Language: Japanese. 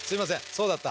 そうだった。